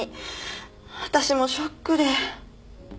私もショックで。